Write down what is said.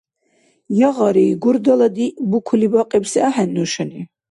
Ягъари, гурдала диъ букули бакьибси ахӀен нушани.